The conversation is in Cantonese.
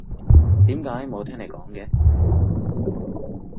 點解冇聽你講嘅？